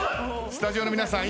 スタジオの皆さん